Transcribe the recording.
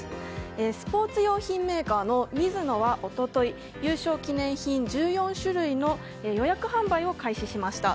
スポーツ用品メーカーのミズノは一昨日優勝記念品、１４種類の予約販売を開始しました。